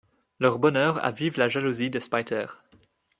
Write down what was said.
Leur bonheur avive la jalousie de Speiter.